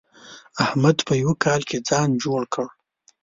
احمد په يوه کال کې ځان جوړ کړ.